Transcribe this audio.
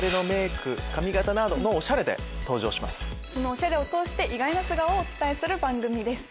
そのおしゃれを通して意外な素顔をお伝えする番組です。